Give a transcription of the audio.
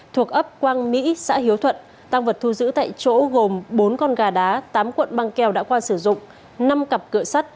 thuộc ấp quang mỹ xã hiếu thuận tăng vật thu giữ tại chỗ gồm bốn con gà đá tám cuộn băng keo đã qua sử dụng năm cặp cửa sắt